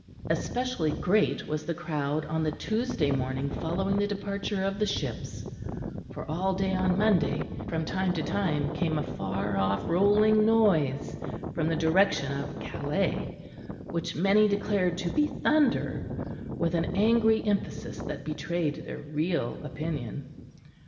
Especially great was the crowd on the Tuesday morning following the departure of the ships; for all day on Monday from time to time came a far off rolling noise from the direction of Calais; which many declared to be thunder, with an angry emphasis that betrayed their real opinion.